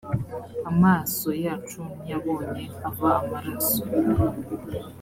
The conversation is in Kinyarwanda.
amaso yacu ntiyabonye ava amaraso